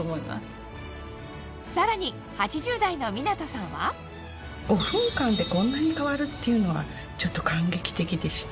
さらに８０代のミナトさんは５分間でこんなに変わるっていうのはちょっと感激的でした。